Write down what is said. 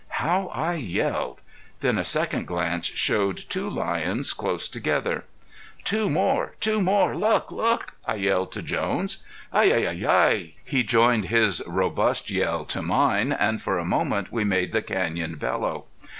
How I yelled! Then a second glance showed two lions close together. "Two more! two more! look! look!" I yelled to Jones. "Hi! Hi! Hi!" he joined his robust yell to mine, and for a moment we made the canyon bellow.